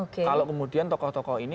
kalau kemudian tokoh tokoh ini